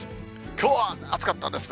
きょうは暑かったですね。